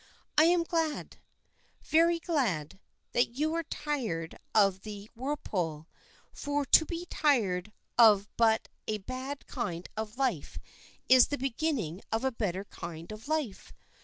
"I am glad very glad that you are tired of the whirlpool, for to be tired of a bad kind of life is the beginning of a better kind of life.